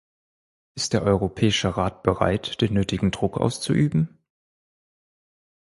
Ist der Europäische Rat bereit, den nötigen Druck auszuüben?